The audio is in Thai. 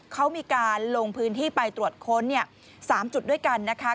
เขามีการลงพื้นที่ไปตรวจค้น๓จุดด้วยกันนะคะ